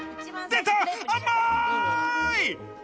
出た！